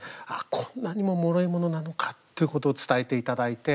こんなにももろいものなのかということを伝えていただいて。